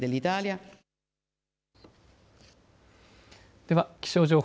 では、気象情報。